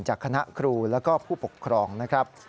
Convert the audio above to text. จากคณะครูแล้วก็ผู้ปกครองนะครับ